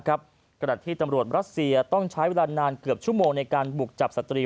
ขณะที่ตำรวจรัสเซียต้องใช้เวลานานเกือบชั่วโมงในการบุกจับสตรี